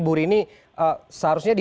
bu rini seharusnya di